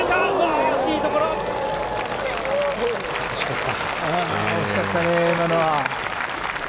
惜しかったね、今のは。